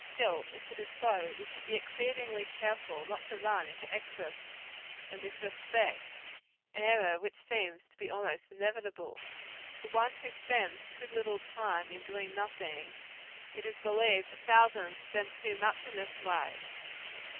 Still, if it is so, we should be exceedingly careful not to run into excess in this respect an error which seems to be almost inevitable. For one who spends too little time in doing nothing, it is believed a thousand spend too much in this way.